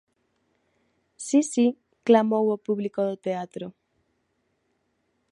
"Si, si", clamou o público do teatro.